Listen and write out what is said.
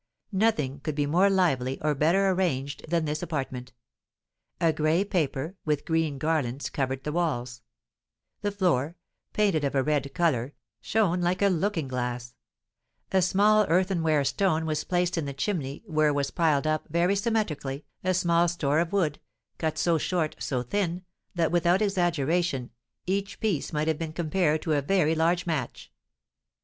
Nothing could be more lively or better arranged than this apartment. A gray paper, with green garlands, covered the walls; the floor, painted of a red colour, shone like a looking glass; a small earthenware stone was placed in the chimney, where was piled up, very symmetrically, a small store of wood, cut so short, so thin, that, without exaggeration, each piece might have been compared to a very large match.